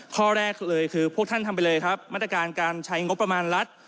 ข้อแรกเลยคือพวกท่านทำไปเลยครับมาตรการการใช้งบประมาณรัฐ